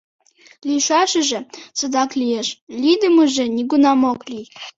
— Лийшашыже садак лиеш, лийдымыже нигунам ок лий...